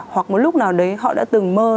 hoặc một lúc nào đấy họ đã từng mơ